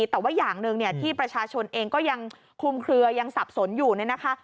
แต่ว่าอย่างหนึ่งที่ประชาชนเองก็ยังคุมเคลือยังสับสนอยู่เนี่ยนะคะ